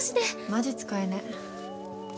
マジ使えね。